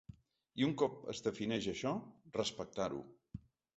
I un cop es defineix això, respectar-ho.